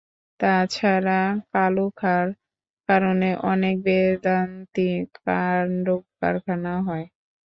তা ছাড়া কালু খাঁর কারণে অনেক বেদান্তী কাণ্ডকারখানা হয়।